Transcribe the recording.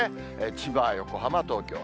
千葉、横浜、東京。